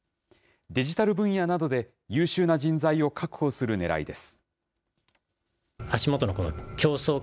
デジタル分野などで優秀な人材を確保するねらいです。